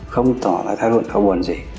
không tỏ ra thái độ thấu buồn gì